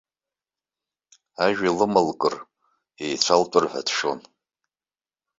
Ажәа лымалкыр, еицәалтәыр ҳәа дшәон.